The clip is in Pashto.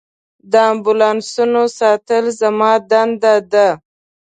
د امبولانسونو ساتل زما دنده ده.